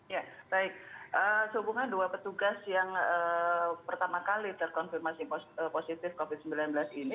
ya baik sehubungan dua petugas yang pertama kali terkonfirmasi positif covid sembilan belas ini